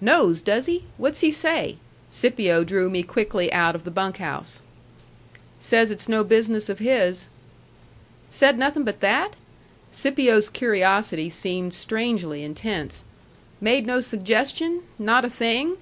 "Knows, does he? What's he say?" Scipio drew me quickly out of the bunk house. "Says it's no business of his." "Said nothing but that?" Scipio's curiosity seemed strangely intense. "Made no suggestion? Not a thing?"